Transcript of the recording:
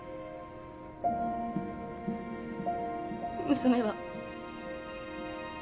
娘は。